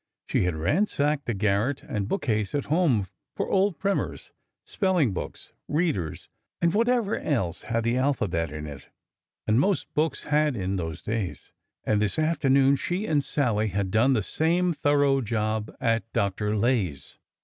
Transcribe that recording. She had ransacked the garret and bookcase at home for old primers, spelling books, readers, and whatever else had the alphabet in it, — and most books had in those days,— and this afternoon she and Sallie had done the same thorough job at Dr. Lay's.